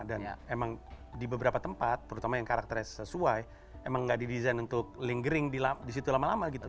dan emang di beberapa tempat terutama yang karakternya sesuai emang gak didesain untuk lingering di situ lama lama gitu